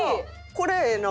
これええな！